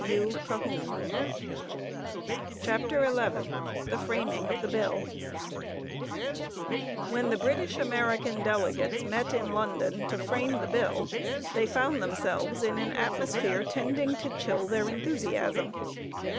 CHAPTER XI THE FRAMING OF THE BILL When the British American delegates met in London to frame the bill they found themselves in an atmosphere tending to chill their enthusiasm.